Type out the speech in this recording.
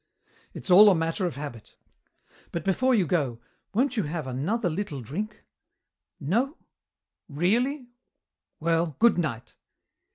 "It's all a matter of habit. But before you go won't you have another little drink? No? Really? Well, good night!"